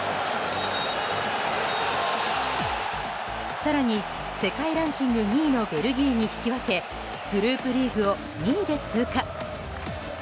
更に、世界ランキング２位のベルギーに引き分けグループリーグを２位で通過。